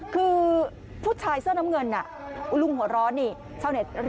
คือผู้ชายเสื้อน้ำเงินน่ะคุณลุงหัวร้อนนี่ชาวเน็ต